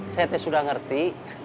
saya sudah ngerti